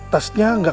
tasnya gak kembali